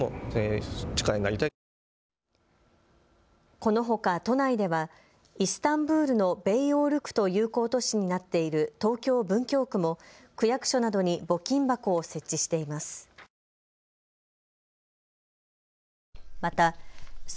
このほか都内ではイスタンブールのベイオウル区と友好都市になっている東京文京区も区役所などに募金箱を設置しています。